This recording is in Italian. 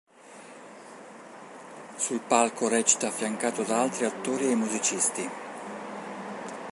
Sul palco recita affiancato da altri attori e musicisti.